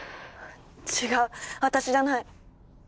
違う私じゃない！